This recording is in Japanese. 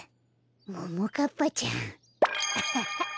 ももかっぱちゃんアハハ。